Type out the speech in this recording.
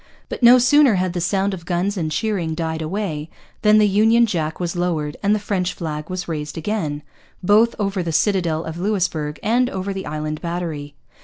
But no sooner had the sound of guns and cheering died away than the Union Jack was lowered and the French flag was raised again, both over the citadel of Louisbourg and over the Island Battery.